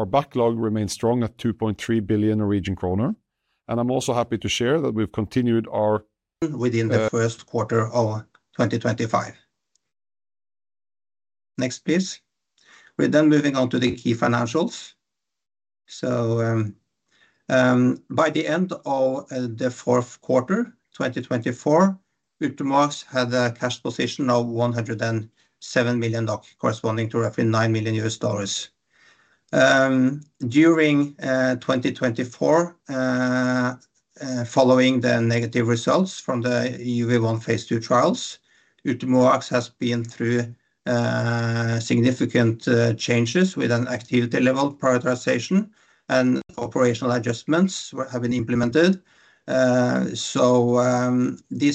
Within the first quarter of 2025. Next, please. We're then moving on to the key financials. By the end of the fourth quarter 2024, Ultimovacs had a cash position of NOK 107 million, corresponding to roughly $9 million. During 2024, following the negative results from the UV1 phase II trials, Ultimovacs has been through significant changes with an activity level prioritization and operational adjustments that have been implemented. This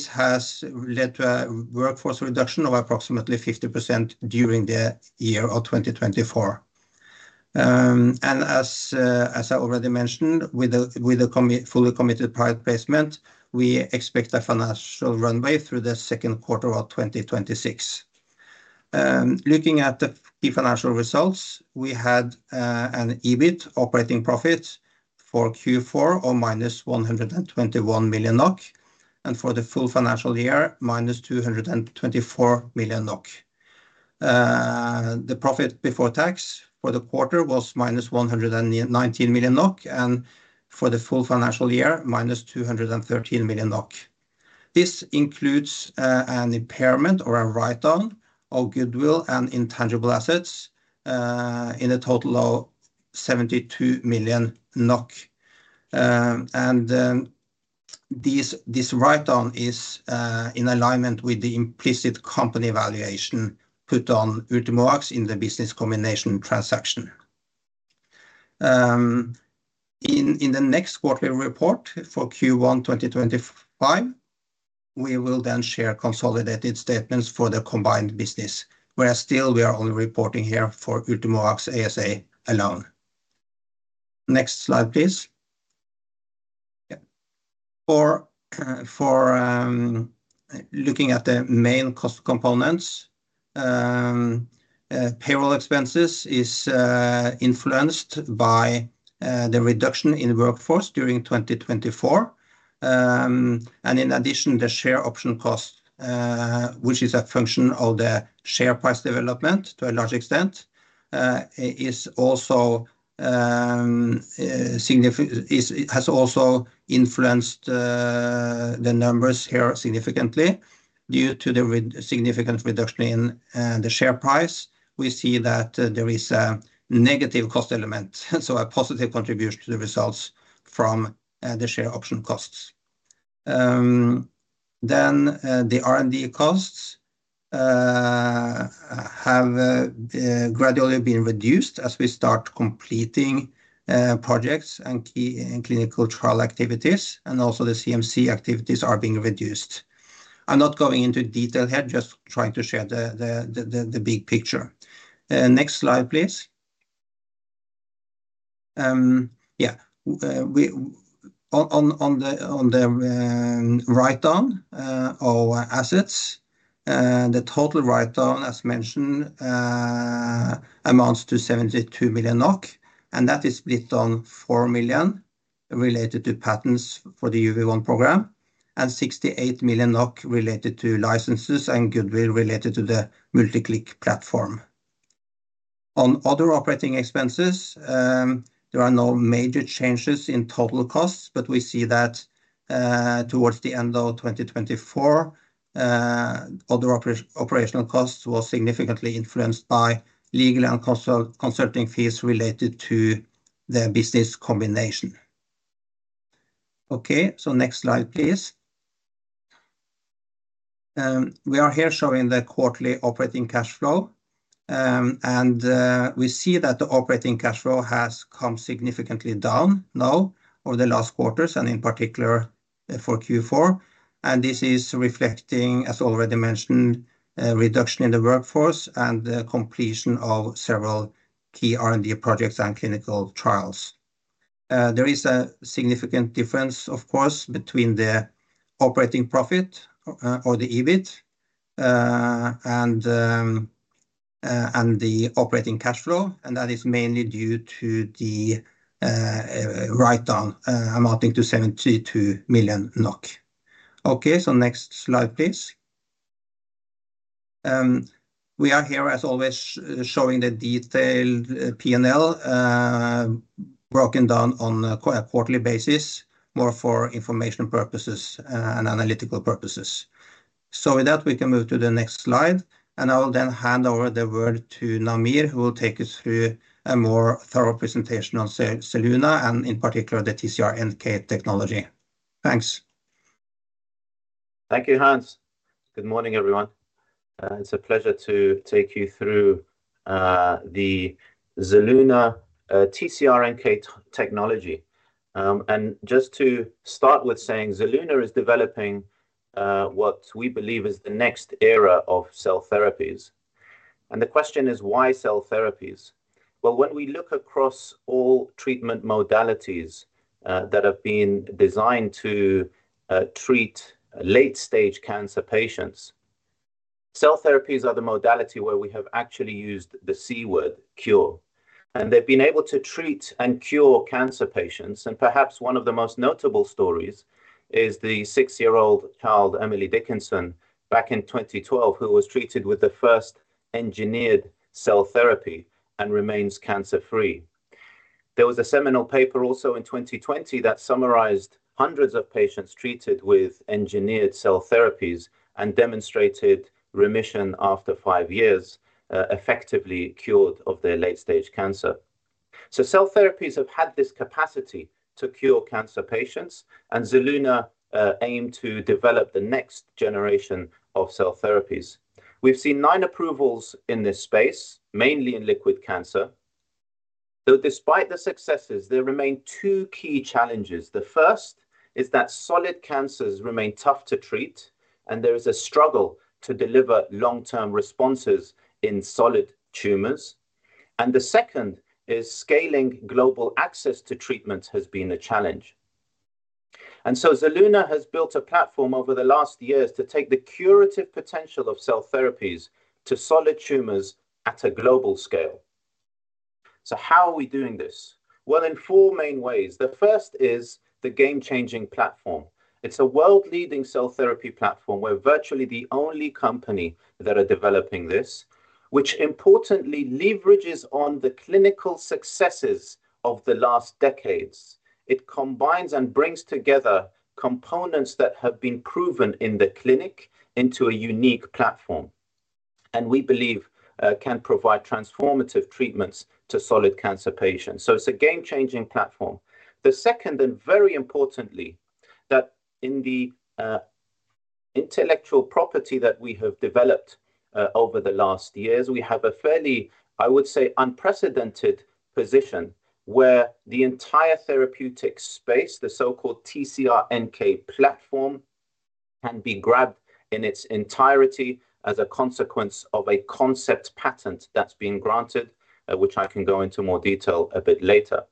has led to a workforce reduction of approximately 50% during the year of 2024. As I already mentioned, with a fully committed private placement, we expect a financial runway through the second quarter of 2026. Looking at the key financial results, we had an EBIT operating profit for Q4 of minus 121 million NOK, and for the full financial year, minus 224 million NOK. The profit before tax for the quarter was minus 119 million NOK, and for the full financial year, minus 213 million NOK. This includes an impairment or a write-down of goodwill and intangible assets in a total of 72 million NOK, and this write-down is in alignment with the implicit company valuation put on Ultimovacs in the business combination transaction. In the next quarterly report for Q1 2025, we will then share consolidated statements for the combined business, whereas still we are only reporting here for Ultimovacs ASA alone. Next slide, please. For looking at the main cost components, payroll expenses are influenced by the reduction in workforce during 2024, and in addition, the share option cost, which is a function of the share price development to a large extent, has also influenced the numbers here significantly. Due to the significant reduction in the share price, we see that there is a negative cost element, so a positive contribution to the results from the share option costs. Then the R&D costs have gradually been reduced as we start completing projects and clinical trial activities, and also the CMC activities are being reduced. I'm not going into detail here, just trying to share the big picture. Next slide, please. Yeah, on the write-down of assets, the total write-down, as mentioned, amounts to 72 million NOK, and that is split on 4 million related to patents for the UV1 program and 68 million NOK related to licenses and goodwill related to the MultiClick platform. On other operating expenses, there are no major changes in total costs, but we see that towards the end of 2024, other operational costs were significantly influenced by legal and consulting fees related to the business combination. Okay, so next slide, please. We are here showing the quarterly operating cash flow, and we see that the operating cash flow has come significantly down now over the last quarters, and in particular for Q4, and this is reflecting, as already mentioned, a reduction in the workforce and the completion of several key R&D projects and clinical trials. There is a significant difference, of course, between the operating profit or the EBIT and the operating cash flow, and that is mainly due to the write-down amounting to 72 million NOK. Okay, so next slide, please. We are here, as always, showing the detailed P&L broken down on a quarterly basis, more for information purposes and analytical purposes. So with that, we can move to the next slide, and I will then hand over the word to Namir, who will take us through a more thorough presentation on Zelluna and in particular the TCR-NK technology. Thanks. Thank you, Hans. Good morning, everyone. It's a pleasure to take you through the Zelluna TCR-NK technology. Just to start with saying Zelluna is developing what we believe is the next era of cell therapies. The question is, why cell therapies? Well, when we look across all treatment modalities that have been designed to treat late-stage cancer patients, cell therapies are the modality where we have actually used the C word, cure. They've been able to treat and cure cancer patients. Perhaps one of the most notable stories is the six-year-old child, Emily Whitehead, back in 2012, who was treated with the first engineered cell therapy and remains cancer-free. There was a seminal paper also in 2020 that summarized hundreds of patients treated with engineered cell therapies and demonstrated remission after five years, effectively cured of their late-stage cancer. So cell therapies have had this capacity to cure cancer patients, and Zelluna aimed to develop the next generation of cell therapies. We've seen nine approvals in this space, mainly in liquid cancer. Though despite the successes, there remain two key challenges. The first is that solid cancers remain tough to treat, and there is a struggle to deliver long-term responses in solid tumors. And the second is scaling global access to treatment has been a challenge. And so Zelluna has built a platform over the last years to take the curative potential of cell therapies to solid tumors at a global scale. So how are we doing this? Well, in four main ways. The first is the game-changing platform. It's a world-leading cell therapy platform, we're virtually the only company that are developing this, which importantly leverages on the clinical successes of the last decades. It combines and brings together components that have been proven in the clinic into a unique platform, and we believe can provide transformative treatments to solid cancer patients. So it's a game-changing platform. The second, and very importantly, that in the intellectual property that we have developed over the last years, we have a fairly, I would say, unprecedented position where the entire therapeutic space, the so-called TCR-NK platform, can be grabbed in its entirety as a consequence of a concept patent that's been granted, which I can go into more detail a bit later.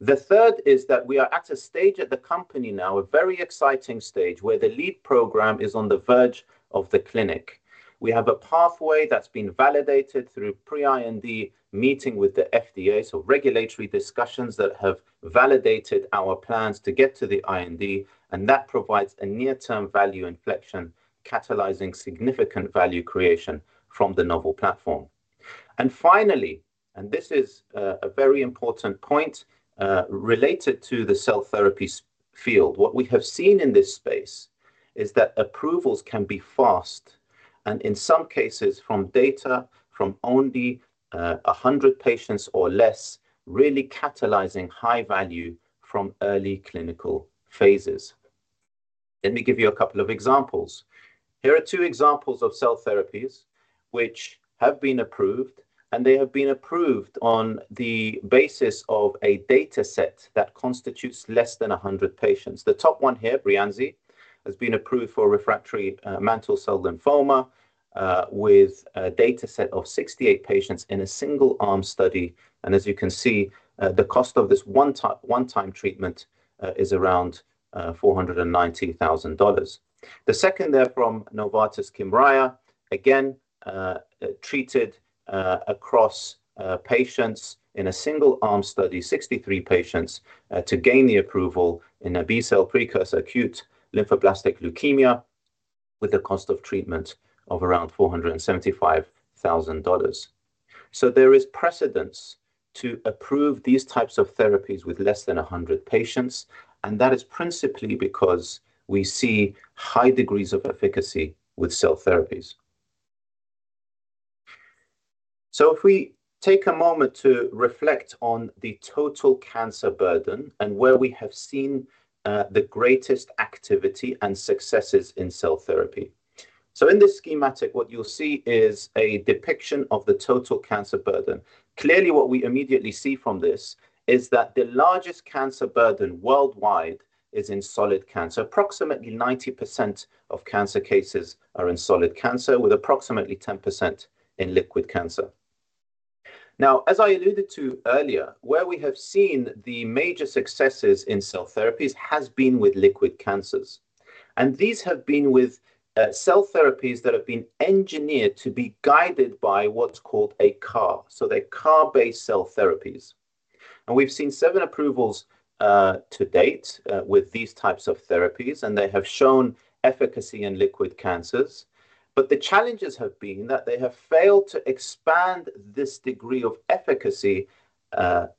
The third is that we are at a stage at the company now, a very exciting stage, where the lead program is on the verge of the clinic. We have a pathway that's been validated through pre-IND meeting with the FDA, so regulatory discussions that have validated our plans to get to the IND, and that provides a near-term value inflection, catalyzing significant value creation from the novel platform, and finally, and this is a very important point related to the cell therapy field, what we have seen in this space is that approvals can be fast, and in some cases, from data, from only 100 patients or less, really catalyzing high value from early clinical phases. Let me give you a couple of examples. Here are two examples of cell therapies which have been approved, and they have been approved on the basis of a dataset that constitutes less than 100 patients. The top one here, Breyanzi, has been approved for refractory mantle cell lymphoma with a dataset of 68 patients in a single arm study. As you can see, the cost of this one-time treatment is around $490,000. The second there from Novartis Kymriah, again treated across patients in a single arm study, 63 patients, to gain the approval in a B-cell precursor, acute lymphoblastic leukemia, with a cost of treatment of around $475,000. There is precedence to approve these types of therapies with less than 100 patients, and that is principally because we see high degrees of efficacy with cell therapies. If we take a moment to reflect on the total cancer burden and where we have seen the greatest activity and successes in cell therapy. In this schematic, what you'll see is a depiction of the total cancer burden. Clearly, what we immediately see from this is that the largest cancer burden worldwide is in solid cancer. Approximately 90% of cancer cases are in solid cancer, with approximately 10% in liquid cancer. Now, as I alluded to earlier, where we have seen the major successes in cell therapies has been with liquid cancers, and these have been with cell therapies that have been engineered to be guided by what's called a CAR, so they're CAR-based cell therapies, and we've seen seven approvals to date with these types of therapies, and they have shown efficacy in liquid cancers. But the challenges have been that they have failed to expand this degree of efficacy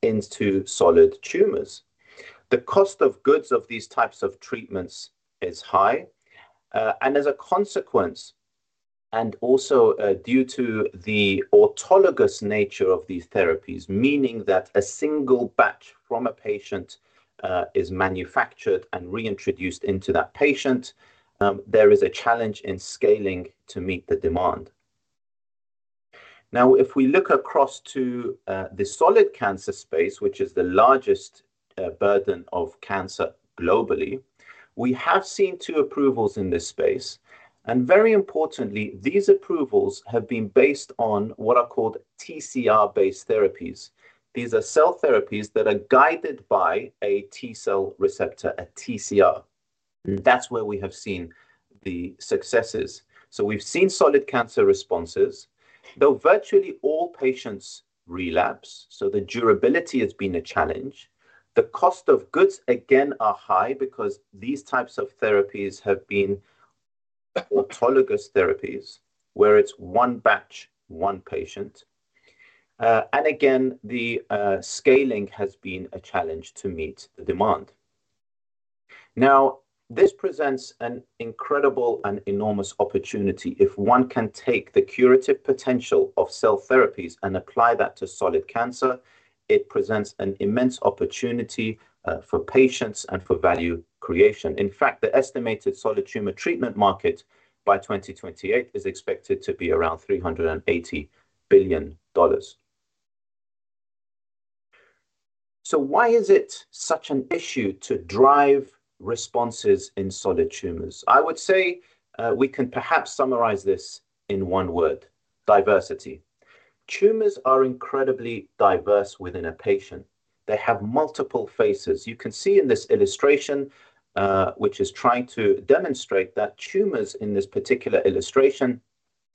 into solid tumors. The cost of goods of these types of treatments is high, and as a consequence, and also due to the autologous nature of these therapies, meaning that a single batch from a patient is manufactured and reintroduced into that patient, there is a challenge in scaling to meet the demand. Now, if we look across to the solid cancer space, which is the largest burden of cancer globally, we have seen two approvals in this space, and very importantly, these approvals have been based on what are called TCR-based therapies. These are cell therapies that are guided by a T-cell receptor, a TCR, and that's where we have seen the successes, so we've seen solid cancer responses, though virtually all patients relapse, so the durability has been a challenge. The cost of goods, again, are high because these types of therapies have been autologous therapies, where it's one batch, one patient, and again, the scaling has been a challenge to meet the demand. Now, this presents an incredible and enormous opportunity. If one can take the curative potential of cell therapies and apply that to solid cancer, it presents an immense opportunity for patients and for value creation. In fact, the estimated solid tumor treatment market by 2028 is expected to be around $380 billion. So why is it such an issue to drive responses in solid tumors? I would say we can perhaps summarize this in one word: diversity. Tumors are incredibly diverse within a patient. They have multiple faces. You can see in this illustration, which is trying to demonstrate that tumors in this particular illustration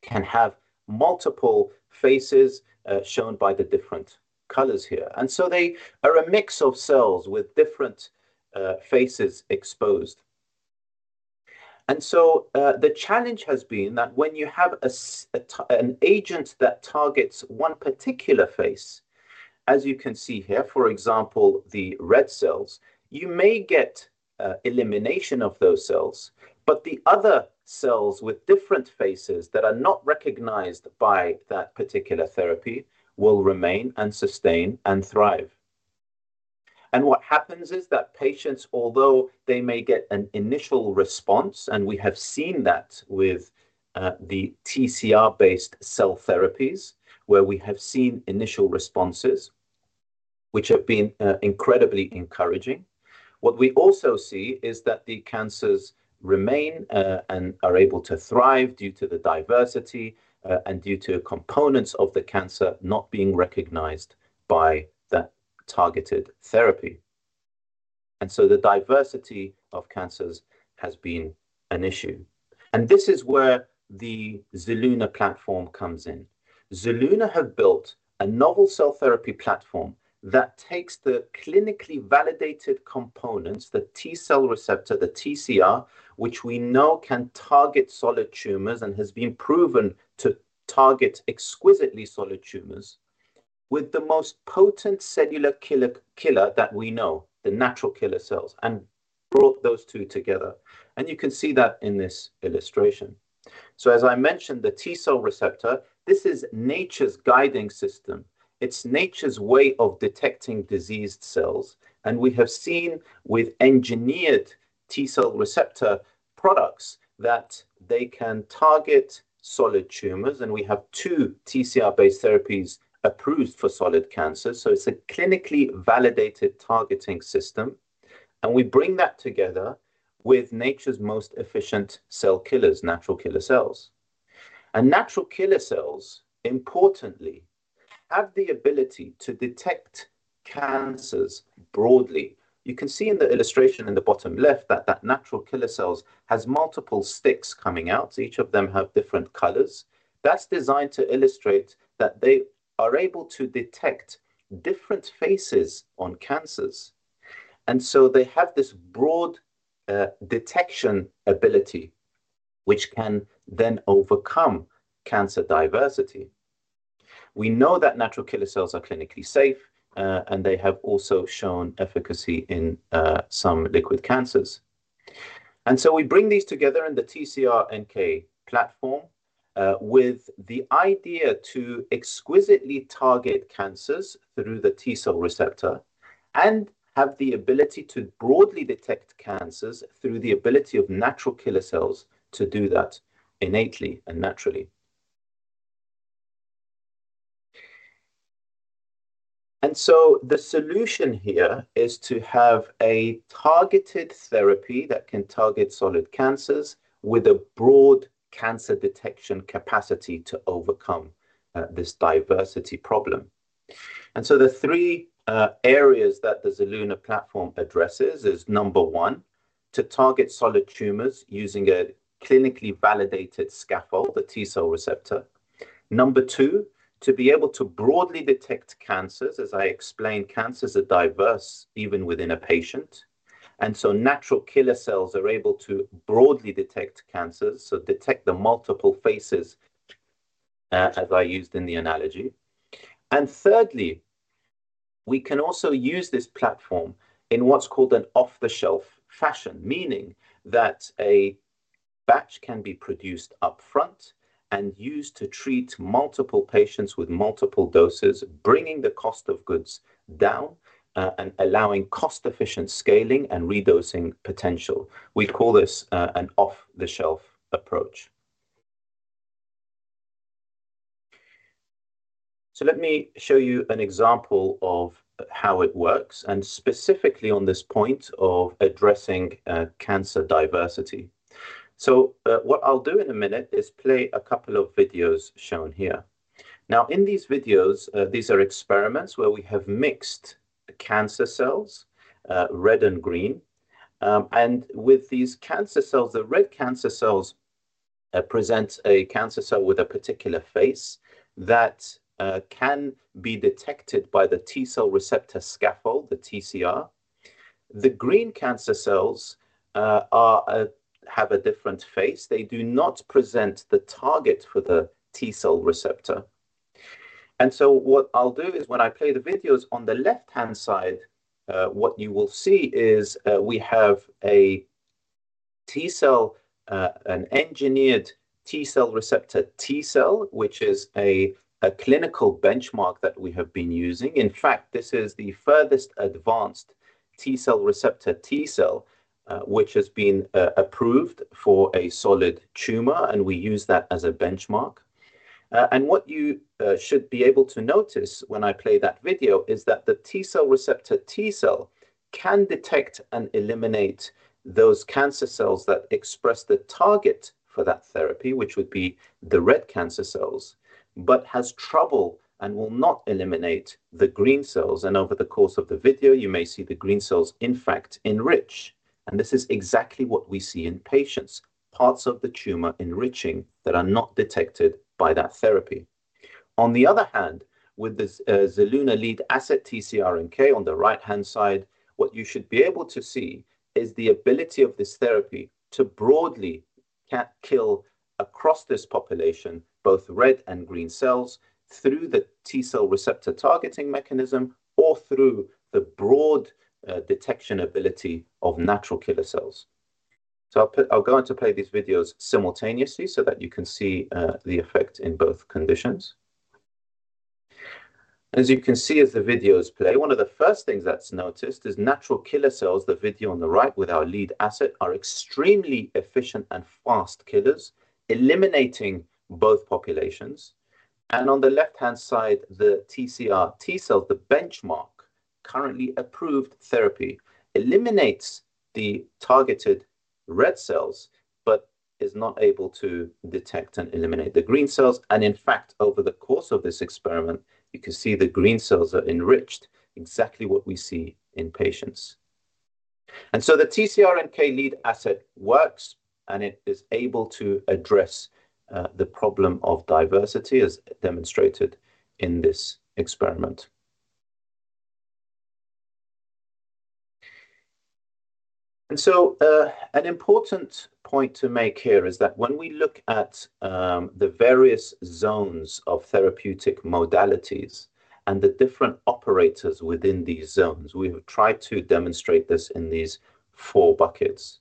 can have multiple faces shown by the different colors here. And so they are a mix of cells with different faces exposed. And so the challenge has been that when you have an agent that targets one particular face, as you can see here, for example, the red cells, you may get elimination of those cells, but the other cells with different faces that are not recognized by that particular therapy will remain and sustain and thrive. And what happens is that patients, although they may get an initial response, and we have seen that with the TCR-based cell therapies, where we have seen initial responses, which have been incredibly encouraging. What we also see is that the cancers remain and are able to thrive due to the diversity and due to components of the cancer not being recognized by that targeted therapy. And so the diversity of cancers has been an issue. And this is where the Zelluna platform comes in. Zelluna has built a novel cell therapy platform that takes the clinically validated components, the T-cell receptor, the TCR, which we know can target solid tumors and has been proven to target exquisitely solid tumors, with the most potent cellular killer that we know, the natural killer cells, and brought those two together. And you can see that in this illustration. As I mentioned, the T-cell receptor, this is nature's guiding system. It's nature's way of detecting diseased cells. We have seen with engineered T-cell receptor products that they can target solid tumors. We have two TCR-based therapies approved for solid cancers. It's a clinically validated targeting system. We bring that together with nature's most efficient cell killers, natural killer cells. Natural killer cells, importantly, have the ability to detect cancers broadly. You can see in the illustration in the bottom left that natural killer cells has multiple sticks coming out. Each of them have different colors. That's designed to illustrate that they are able to detect different faces on cancers. They have this broad detection ability, which can then overcome cancer diversity. We know that natural killer cells are clinically safe, and they have also shown efficacy in some liquid cancers. We bring these together in the TCR-NK platform with the idea to exquisitely target cancers through the T-cell receptor and have the ability to broadly detect cancers through the ability of natural killer cells to do that innately and naturally. The solution here is to have a targeted therapy that can target solid cancers with a broad cancer detection capacity to overcome this diversity problem. The three areas that the Zelluna platform addresses is number one, to target solid tumors using a clinically validated scaffold, the T-cell receptor. Number two, to be able to broadly detect cancers. As I explained, cancers are diverse even within a patient. Natural killer cells are able to broadly detect cancers, so detect the multiple faces, as I used in the analogy. Thirdly, we can also use this platform in what's called an off-the-shelf fashion, meaning that a batch can be produced upfront and used to treat multiple patients with multiple doses, bringing the cost of goods down and allowing cost-efficient scaling and redosing potential. We call this an off-the-shelf approach. Let me show you an example of how it works, and specifically on this point of addressing cancer diversity. What I'll do in a minute is play a couple of videos shown here. Now, in these videos, these are experiments where we have mixed cancer cells, red and green. With these cancer cells, the red cancer cells present a cancer cell with a particular face that can be detected by the T-cell receptor scaffold, the TCR. The green cancer cells have a different face. They do not present the target for the T-cell receptor. What I'll do is when I play the videos on the left-hand side, what you will see is we have an engineered T-cell receptor, T-cell, which is a clinical benchmark that we have been using. In fact, this is the furthest advanced T-cell receptor, T-cell, which has been approved for a solid tumor, and we use that as a benchmark. What you should be able to notice when I play that video is that the T-cell receptor, T-cell, can detect and eliminate those cancer cells that express the target for that therapy, which would be the red cancer cells, but has trouble and will not eliminate the green cells. Over the course of the video, you may see the green cells, in fact, enrich. This is exactly what we see in patients, parts of the tumor enriching that are not detected by that therapy. On the other hand, with the Zelluna lead asset TCR-NK on the right-hand side, what you should be able to see is the ability of this therapy to broadly kill across this population, both red and green cells, through the T-cell receptor targeting mechanism or through the broad detection ability of natural killer cells. So I'll go on to play these videos simultaneously so that you can see the effect in both conditions. As you can see as the videos play, one of the first things that's noticed is natural killer cells, the video on the right with our lead asset, are extremely efficient and fast killers, eliminating both populations, and on the left-hand side, the TCR, T-cell, the benchmark currently approved therapy, eliminates the targeted red cells but is not able to detect and eliminate the green cells. In fact, over the course of this experiment, you can see the green cells are enriched, exactly what we see in patients. The TCR-NK lead asset works, and it is able to address the problem of diversity, as demonstrated in this experiment. An important point to make here is that when we look at the various zones of therapeutic modalities and the different operators within these zones, we have tried to demonstrate this in these four buckets.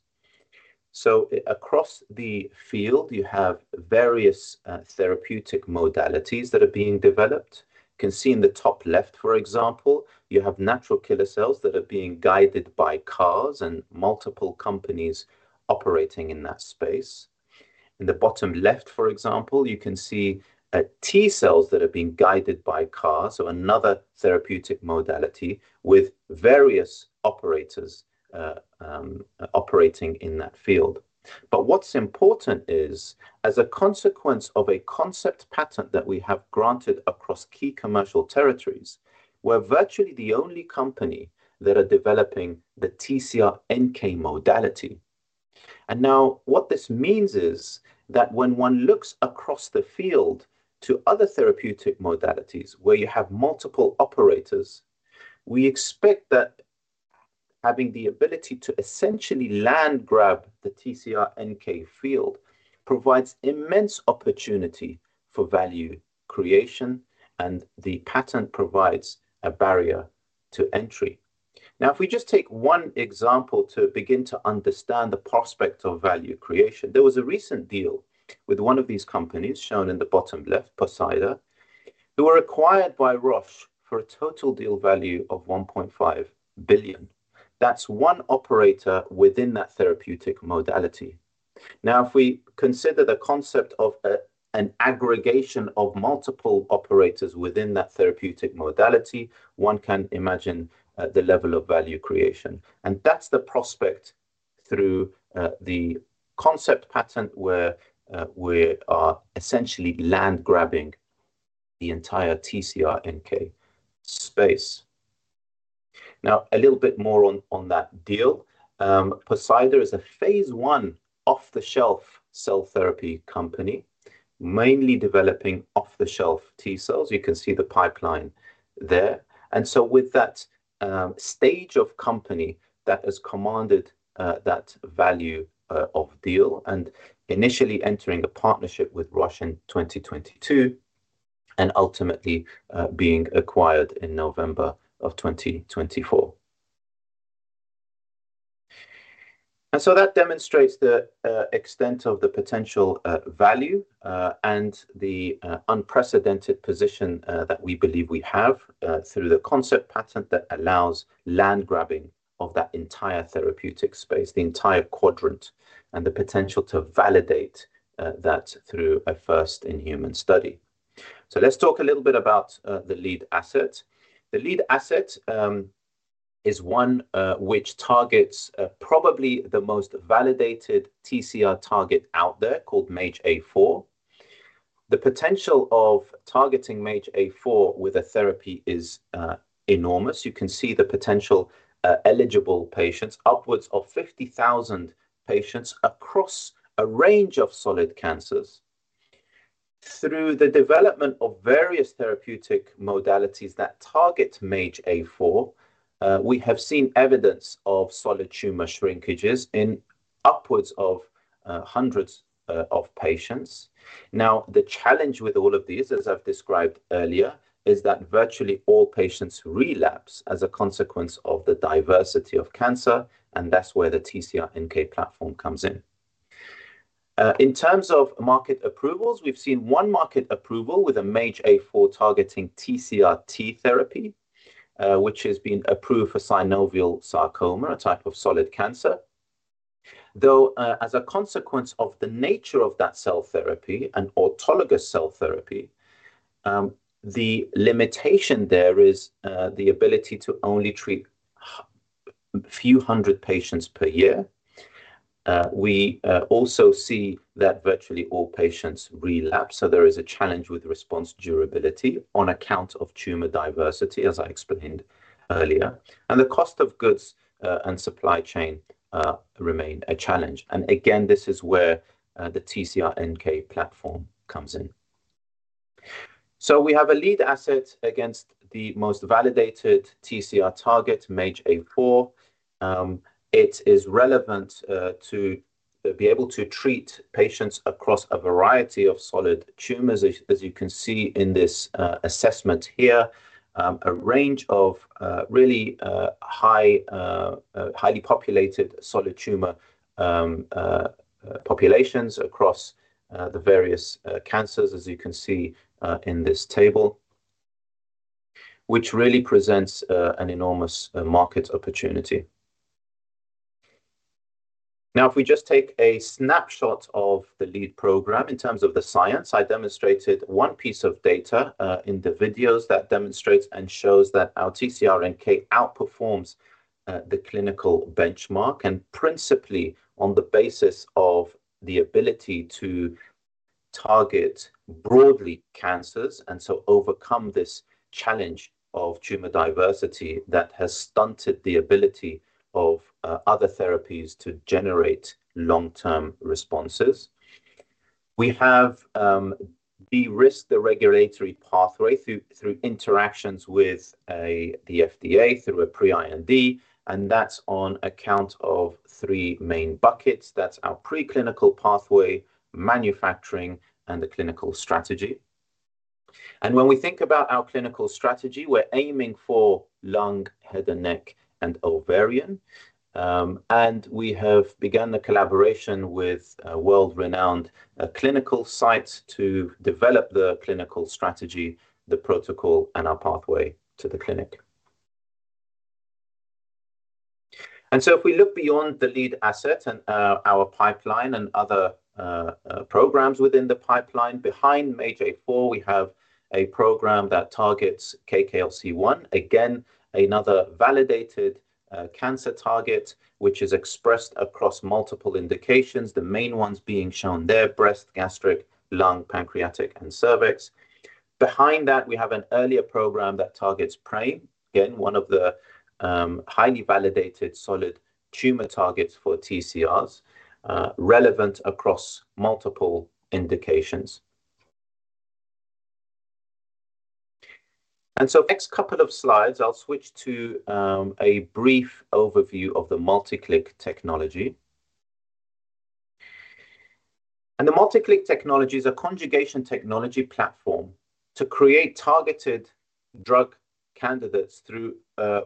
Across the field, you have various therapeutic modalities that are being developed. You can see in the top left, for example, you have natural killer cells that are being guided by CARs and multiple companies operating in that space. In the bottom left, for example, you can see T-cells that are being guided by CARs, so another therapeutic modality with various operators operating in that field. What's important is, as a consequence of a concept patent that we have granted across key commercial territories, we're virtually the only company that are developing the TCR-NK modality. Now what this means is that when one looks across the field to other therapeutic modalities where you have multiple operators, we expect that having the ability to essentially land grab the TCR-NK field provides immense opportunity for value creation, and the patent provides a barrier to entry. Now, if we just take one example to begin to understand the prospect of value creation, there was a recent deal with one of these companies shown in the bottom left, Poseida Therapeutics, who were acquired by Roche for a total deal value of $1.5 billion. That's one operator within that therapeutic modality. Now, if we consider the concept of an aggregation of multiple operators within that therapeutic modality, one can imagine the level of value creation. And that's the prospect through the concept patent where we are essentially land grabbing the entire TCR-NK space. Now, a little bit more on that deal. Poseida Therapeutics is a phase I off-the-shelf cell therapy company, mainly developing off-the-shelf T-cells. You can see the pipeline there. And so with that stage of company that has commanded that value of deal and initially entering a partnership with Roche in 2022 and ultimately being acquired in November of 2024. And so that demonstrates the extent of the potential value and the unprecedented position that we believe we have through the concept patent that allows land grabbing of that entire therapeutic space, the entire quadrant, and the potential to validate that through a first-in-human study. So let's talk a little bit about the lead asset. The lead asset is one which targets probably the most validated TCR target out there called MAGE-A4. The potential of targeting MAGE-A4 with a therapy is enormous. You can see the potential eligible patients, upwards of 50,000 patients across a range of solid cancers. Through the development of various therapeutic modalities that target MAGE-A4, we have seen evidence of solid tumor shrinkages in upwards of hundreds of patients. Now, the challenge with all of these, as I've described earlier, is that virtually all patients relapse as a consequence of the diversity of cancer, and that's where the TCR-NK platform comes in. In terms of market approvals, we've seen one market approval with a MAGE-A4 targeting TCR-T therapy, which has been approved for synovial sarcoma, a type of solid cancer. Though as a consequence of the nature of that cell therapy, an autologous cell therapy, the limitation there is the ability to only treat a few hundred patients per year. We also see that virtually all patients relapse, so there is a challenge with response durability on account of tumor diversity, as I explained earlier. And the cost of goods and supply chain remain a challenge. And again, this is where the TCR-NK platform comes in. So we have a lead asset against the most validated TCR target, MAGE-A4. It is relevant to be able to treat patients across a variety of solid tumors, as you can see in this assessment here, a range of really highly populated solid tumor populations across the various cancers, as you can see in this table, which really presents an enormous market opportunity. Now, if we just take a snapshot of the lead program in terms of the science, I demonstrated one piece of data in the videos that demonstrates and shows that our TCR-NK outperforms the clinical benchmark and principally on the basis of the ability to target broadly cancers and so overcome this challenge of tumor diversity that has stunted the ability of other therapies to generate long-term responses. We have de-risked the regulatory pathway through interactions with the FDA, through a pre-IND, and that's on account of three main buckets. That's our preclinical pathway, manufacturing, and the clinical strategy. And when we think about our clinical strategy, we're aiming for lung, head and neck, and ovarian. And we have begun the collaboration with world-renowned clinical sites to develop the clinical strategy, the protocol, and our pathway to the clinic. If we look beyond the lead asset and our pipeline and other programs within the pipeline, behind MAGE-A4, we have a program that targets KKLC1, again, another validated cancer target, which is expressed across multiple indications, the main ones being shown there, breast, gastric, lung, pancreatic, and cervix. Behind that, we have an earlier program that targets PRAME, again, one of the highly validated solid tumor targets for TCRs, relevant across multiple indications. Next couple of slides, I'll switch to a brief overview of the MultiClick technology. The MultiClick technology is a conjugation technology platform to create targeted drug candidates through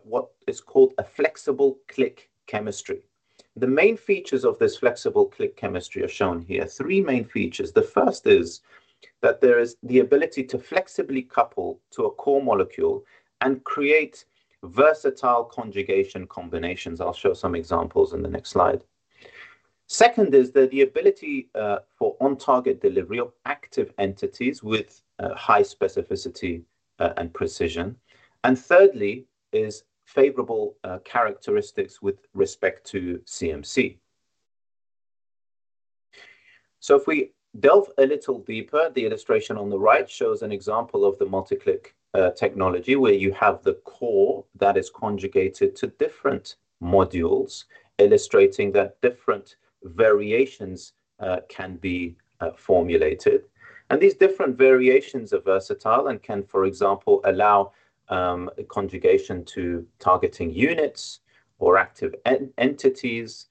what is called a flexible click chemistry. The main features of this flexible click chemistry are shown here. Three main features. The first is that there is the ability to flexibly couple to a core molecule and create versatile conjugation combinations. I'll show some examples in the next slide. Second is the ability for on-target delivery of active entities with high specificity and precision. And thirdly is favorable characteristics with respect to CMC. So if we delve a little deeper, the illustration on the right shows an example of the MultiClick technology where you have the core that is conjugated to different modules, illustrating that different variations can be formulated. And these different variations are versatile and can, for example, allow conjugation to targeting units or active entities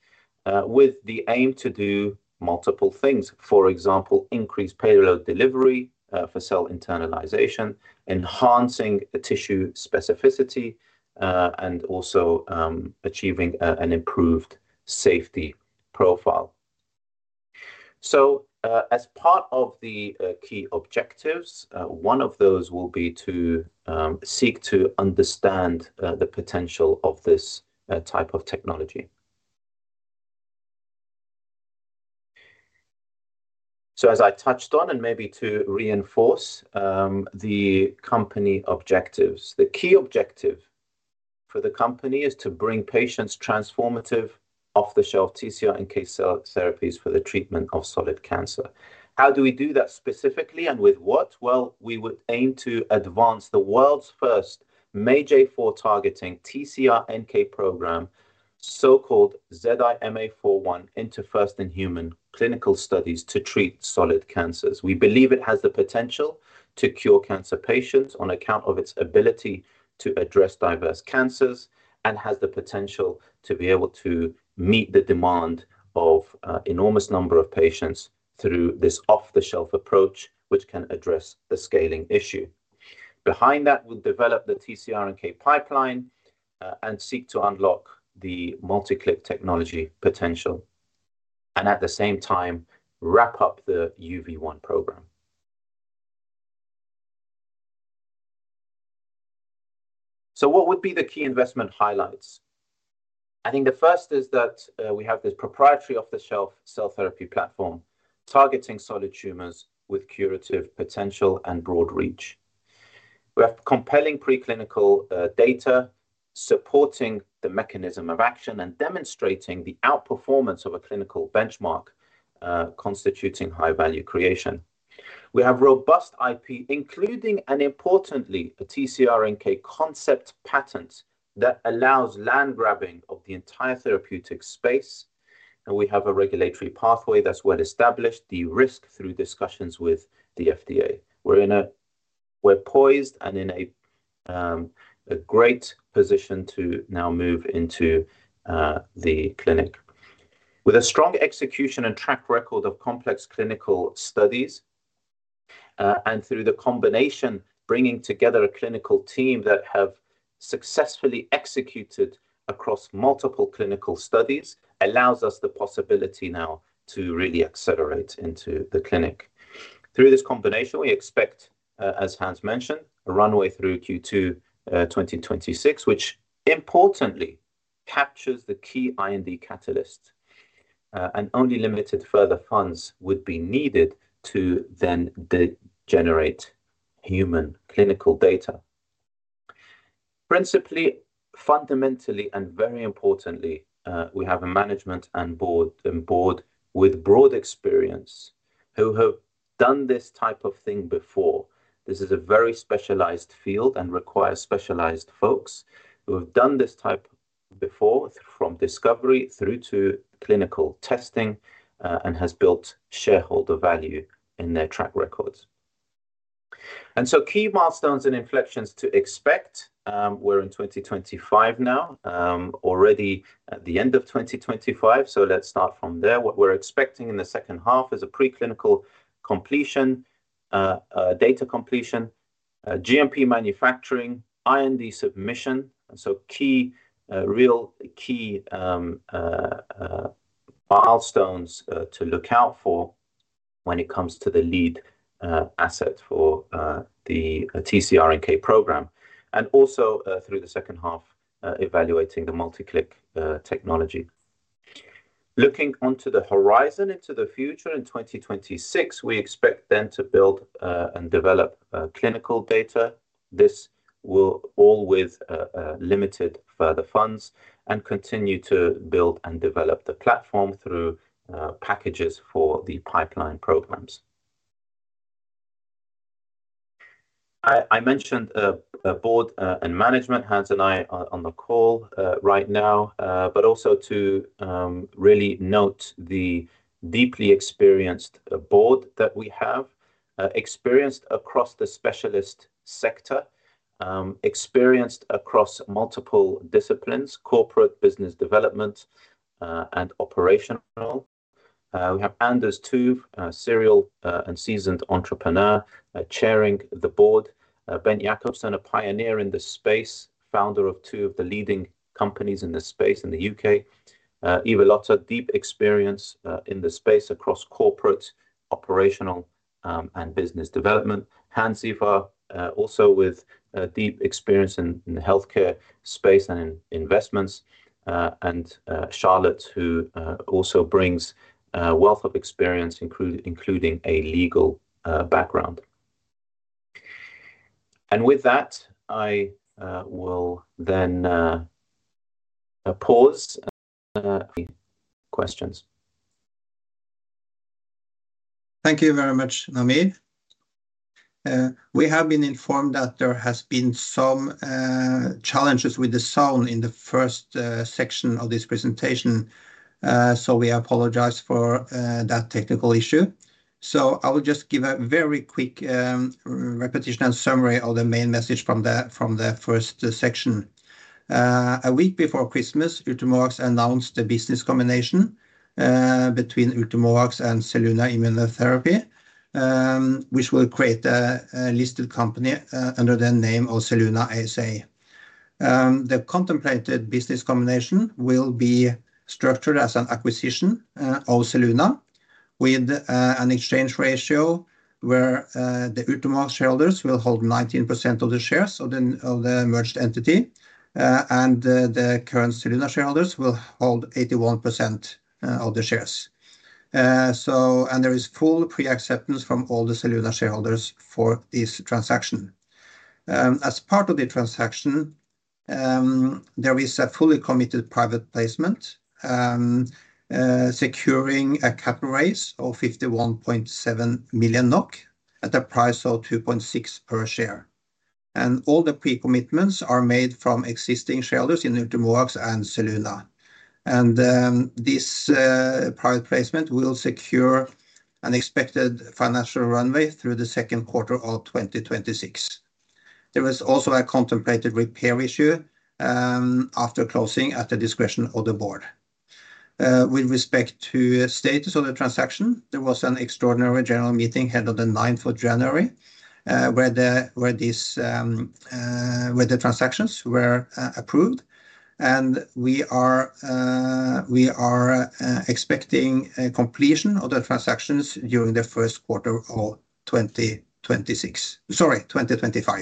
with the aim to do multiple things. For example, increased payload delivery for cell internalization, enhancing tissue specificity, and also achieving an improved safety profile. So as part of the key objectives, one of those will be to seek to understand the potential of this type of technology. So as I touched on, and maybe to reinforce the company objectives, the key objective for the company is to bring patients transformative off-the-shelf TCR-NK cell therapies for the treatment of solid cancer. How do we do that specifically and with what? Well, we would aim to advance the world's first MAGE-A4 targeting TCR-NK program, so-called ZIMA41, into first-in-human clinical studies to treat solid cancers. We believe it has the potential to cure cancer patients on account of its ability to address diverse cancers and has the potential to be able to meet the demand of an enormous number of patients through this off-the-shelf approach, which can address the scaling issue. Behind that, we'll develop the TCR-NK pipeline and seek to unlock the MultiClick technology potential and at the same time, wrap up the UV1 program. So what would be the key investment highlights? I think the first is that we have this proprietary off-the-shelf cell therapy platform targeting solid tumors with curative potential and broad reach. We have compelling preclinical data supporting the mechanism of action and demonstrating the outperformance of a clinical benchmark constituting high-value creation. We have robust IP, including and importantly, a TCR-NK concept patent that allows land grabbing of the entire therapeutic space. And we have a regulatory pathway that's well established, de-risked through discussions with the FDA. We're poised and in a great position to now move into the clinic with a strong execution and track record of complex clinical studies. And through the combination, bringing together a clinical team that have successfully executed across multiple clinical studies, allows us the possibility now to really accelerate into the clinic. Through this combination, we expect, as Hans mentioned, a runway through Q2 2026, which importantly captures the key IND catalyst. Only limited further funds would be needed to then generate human clinical data. Principally, fundamentally, and very importantly, we have a management and board with broad experience who have done this type of thing before. This is a very specialized field and requires specialized folks who have done this type before from discovery through to clinical testing and has built shareholder value in their track records. Key milestones and inflections to expect. We're in 2025 now, already at the end of 2025. Let's start from there. What we're expecting in the second half is a preclinical completion, data completion, GMP manufacturing, IND submission. Real key milestones to look out for when it comes to the lead asset for the TCR-NK program. And also through the second half, evaluating the MultiClick technology. Looking onto the horizon into the future in 2026, we expect then to build and develop clinical data. This will all with limited further funds and continue to build and develop the platform through packages for the pipeline programs. I mentioned a board and management, Hans and I, on the call right now, but also to really note the deeply experienced board that we have, experienced across the specialist sector, experienced across multiple disciplines, corporate business development, and operational. We have Anders Tuv, serial and seasoned entrepreneur chairing the board, Bent Jakobsen, a pioneer in the space, founder of two of the leading companies in the space in the U.K., Eva-Lotta Allan, deep experience in the space across corporate operational and business development, Hans Ivar, also with deep experience in the healthcare space and in investments, and Charlotte, who also brings a wealth of experience, including a legal background, and with that, I will then pause. Any questions? Thank you very much, Namir. We have been informed that there have been some challenges with the sound in the first section of this presentation, so we apologize for that technical issue, so I will just give a very quick repetition and summary of the main message from the first section. A week before Christmas, Ultimovacs announced the business combination between Ultimovacs and Zelluna Immunotherapy, which will create a listed company under the name of Zelluna ASA. The contemplated business combination will be structured as an acquisition of Zelluna with an exchange ratio where the Ultimovacs shareholders will hold 19% of the shares of the merged entity, and the current Zelluna shareholders will hold 81% of the shares. There is full pre-acceptance from all the Zelluna shareholders for this transaction. As part of the transaction, there is a fully committed private placement securing a capital raise of 51.7 million NOK at a price of 2.6 per share. All the pre-commitments are made from existing shareholders in Ultimovacs and Zelluna. This private placement will secure an expected financial runway through the second quarter of 2026. There was also a contemplated repair issue after closing at the discretion of the board. With respect to the status of the transaction, there was an extraordinary general meeting held on the January 9th where the transactions were approved. And we are expecting completion of the transactions during the first quarter of 2025.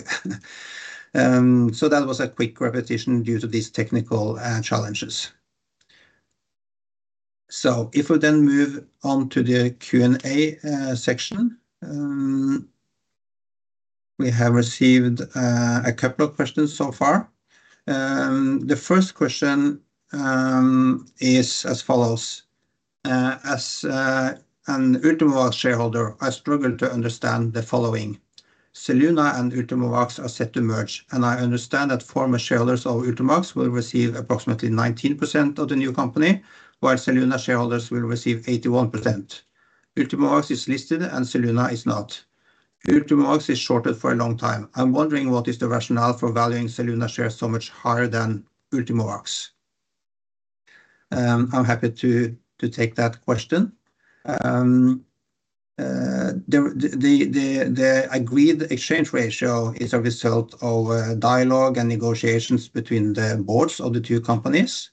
So that was a quick repetition due to these technical challenges. So if we then move on to the Q&A section, we have received a couple of questions so far. The first question is as follows. As an Ultimovacs shareholder, I struggle to understand the following. Zelluna and Ultimovacs are set to merge, and I understand that former shareholders of Ultimovacs will receive approximately 19% of the new company, while Zelluna shareholders will receive 81%. Ultimovacs is listed and Zelluna is not. Ultimovacs is shorted for a long time. I'm wondering what is the rationale for valuing Zelluna shares so much higher than Ultimovacs? I'm happy to take that question. The agreed exchange ratio is a result of dialogue and negotiations between the boards of the two companies,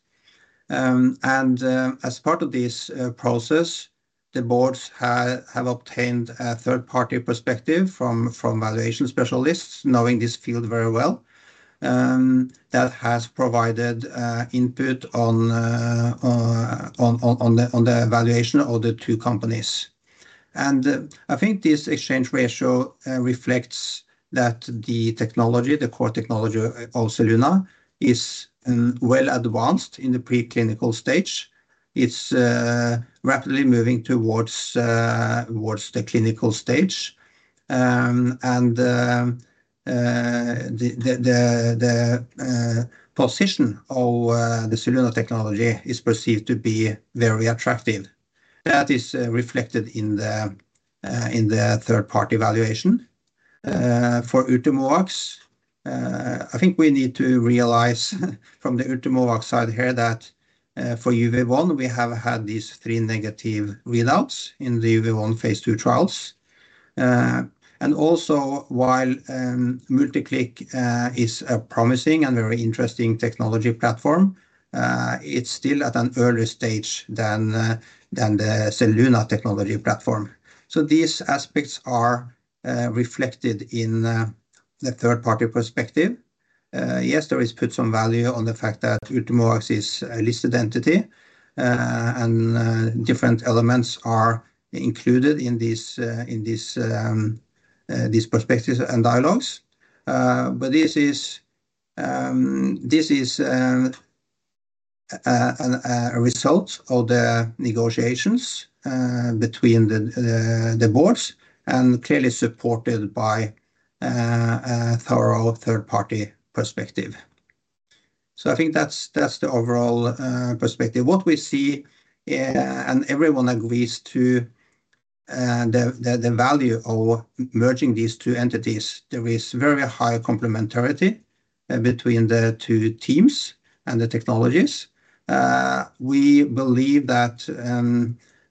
and as part of this process, the boards have obtained a third-party perspective from valuation specialists, knowing this field very well. That has provided input on the valuation of the two companies, and I think this exchange ratio reflects that the technology, the core technology of Zelluna, is well advanced in the preclinical stage. It's rapidly moving towards the clinical stage, and the position of the Zelluna technology is perceived to be very attractive. That is reflected in the third-party valuation. For Ultimovacs, I think we need to realize from the Ultimovacs side here that for UV1, we have had these three negative readouts in the UV1 phase II trials. And also, while MultiClick is a promising and very interesting technology platform, it's still at an earlier stage than the Zelluna technology platform. So these aspects are reflected in the third-party perspective. Yes, there is put some value on the fact that Ultimovacs is a listed entity and different elements are included in these perspectives and dialogues. But this is a result of the negotiations between the boards and clearly supported by a thorough third-party perspective. So I think that's the overall perspective. What we see, and everyone agrees to the value of merging these two entities, there is very high complementarity between the two teams and the technologies. We believe that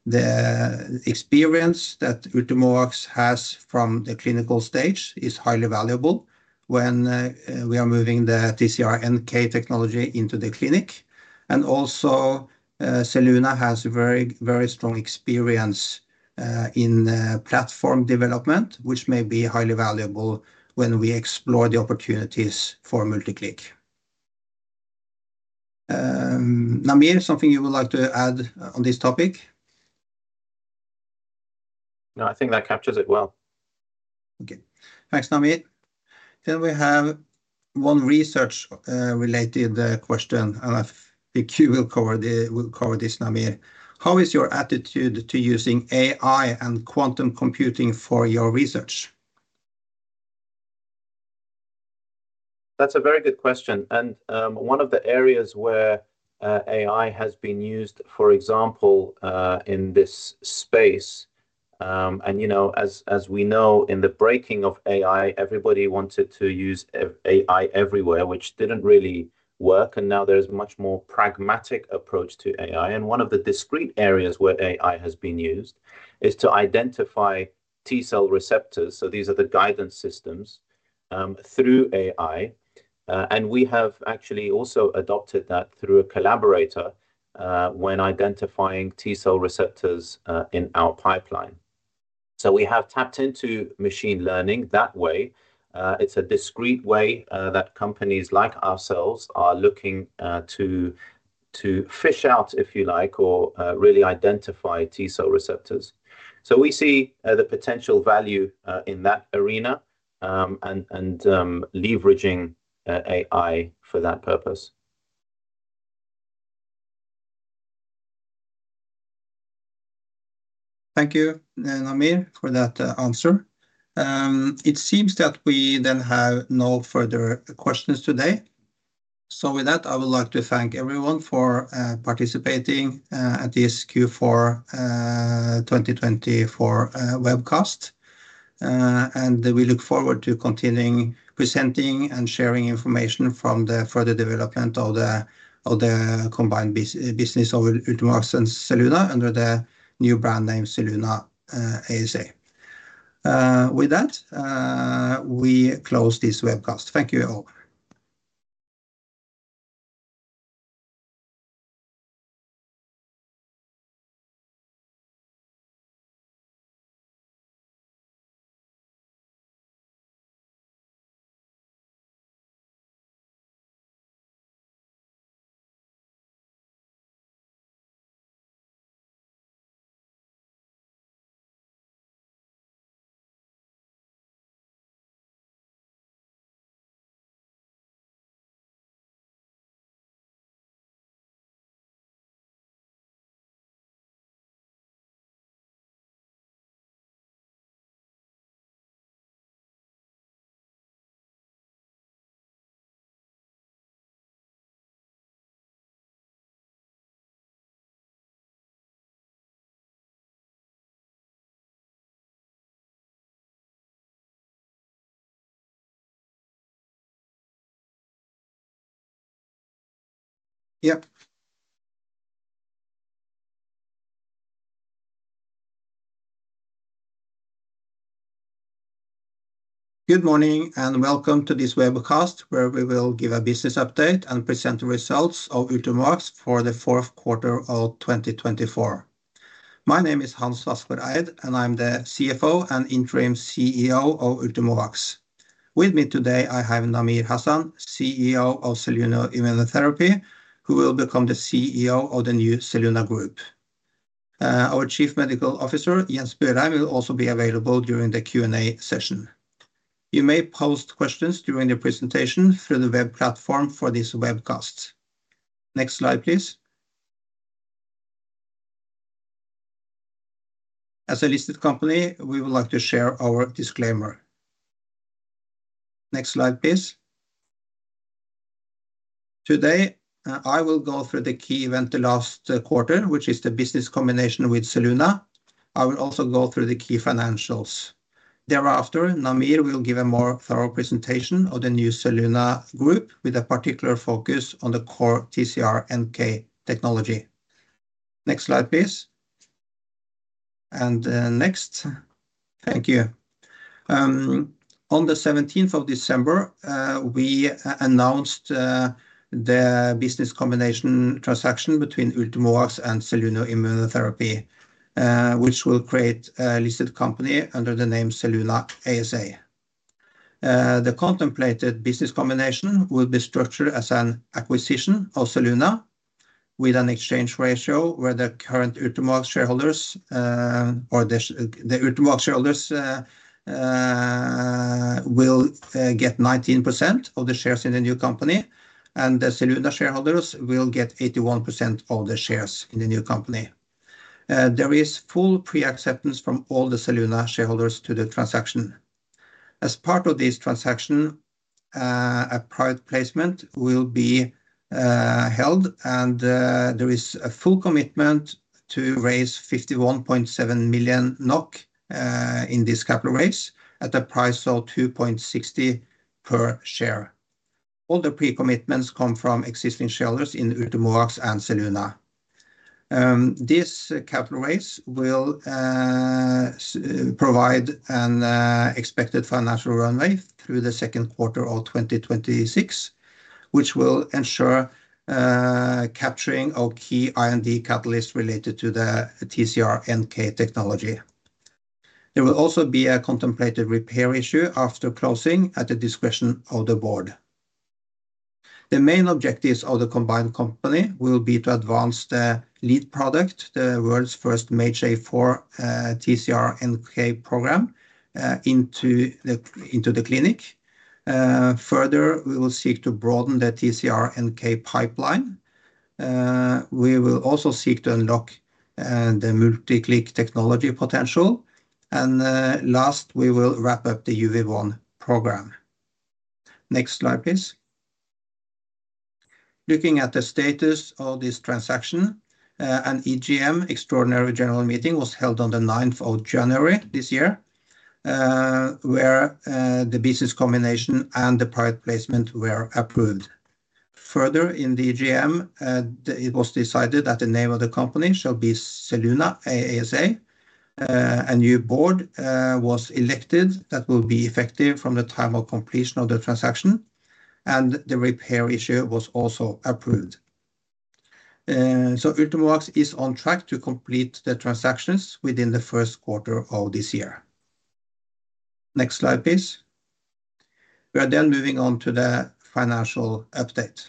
the experience that Ultimovacs has from the clinical stage is highly valuable when we are moving the TCR-NK technology into the clinic. And also, Zelluna has a very strong experience in platform development, which may be highly valuable when we explore the opportunities for MultiClick. Namir, something you would like to add on this topic? No, I think that captures it well. Okay. Thanks, Namir. Then we have one research-related question, and I think you will cover this, Namir. How is your attitude to using AI and quantum computing for your research? That's a very good question. And one of the areas where AI has been used, for example, in this space, and as we know, in the breaking of AI, everybody wanted to use AI everywhere, which didn't really work. And now there is a much more pragmatic approach to AI. And one of the discrete areas where AI has been used is to identify T-cell receptors. So these are the guidance systems through AI. We have actually also adopted that through a collaborator when identifying T-cell receptors in our pipeline. So we have tapped into machine learning that way. It's a discrete way that companies like ourselves are looking to fish out, if you like, or really identify T-cell receptors. So we see the potential value in that arena and leveraging AI for that purpose. Thank you, Namir, for that answer. It seems that we then have no further questions today. So with that, I would like to thank everyone for participating at this Q4 2024 webcast. And we look forward to continuing presenting and sharing information from the further development of the combined business of Ultimovacs and Zelluna under the new brand name Zelluna ASA. With that, we close this webcast. Thank you all. Yep. Good morning and welcome to this webcast where we will give a business update and present the results of Ultimovacs for the fourth quarter of 2024. My name is Hans Vassgård Eid, and I'm the CFO and interim CEO of Ultimovacs. With me today, I have Namir Hassan, CEO of Zelluna Immunotherapy, who will become the CEO of the new Zelluna Group. Our Chief Medical Officer, Jens Bjørheim, will also be available during the Q&A session. You may post questions during the presentation through the web platform for this webcast. Next slide, please. As a listed company, we would like to share our disclaimer. Next slide, please. Today, I will go through the key event the last quarter, which is the business combination with Zelluna. I will also go through the key financials. Thereafter, Namir will give a more thorough presentation of the new Zelluna Group with a particular focus on the core TCR-NK technology. Next slide, please. And next. Thank you. On the December 17th, we announced the business combination transaction between Ultimovacs and Zelluna Immunotherapy, which will create a listed company under the name Zelluna ASA. The contemplated business combination will be structured as an acquisition of Zelluna with an exchange ratio where the Ultimovacs shareholders will get 19% of the shares in the new company, and the Zelluna shareholders will get 81% of the shares in the new company. There is full pre-acceptance from all the Zelluna shareholders to the transaction. As part of this transaction, a private placement will be held, and there is a full commitment to raise 51.7 million NOK in this capital raise at a price of 2.60 per share. All the pre-commitments come from existing shareholders in Ultimovacs and Zelluna. This capital raise will provide an expected financial runway through the second quarter of 2026, which will ensure capturing of key R&D catalysts related to the TCR-NK technology. There will also be a contemplated rights issue after closing at the discretion of the board. The main objectives of the combined company will be to advance the lead product, the world's first MAGE-A4 TCR-NK program, into the clinic. Further, we will seek to broaden the TCR-NK pipeline. We will also seek to unlock the MultiClick technology potential. And last, we will wrap up the UV1 program. Next slide, please. Looking at the status of this transaction, an EGM, extraordinary general meeting, was held on the 9th of January this year, where the business combination and the private placement were approved. Further, in the EGM, it was decided that the name of the company shall be Zelluna ASA. A new board was elected that will be effective from the time of completion of the transaction, and the merger issue was also approved. So Ultimovacs is on track to complete the transactions within the first quarter of this year. Next slide, please. We are then moving on to the financial update.